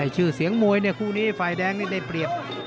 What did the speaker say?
ชื่อเสียงมวยเนี่ยคู่นี้ฝ่ายแดงนี่ได้เปรียบ